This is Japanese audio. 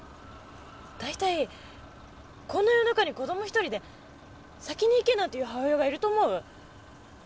大体こんな夜中に子供一人で先に行けなんて言う母親がいると思う？